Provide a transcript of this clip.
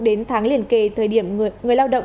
đến tháng liền kề thời điểm người lao động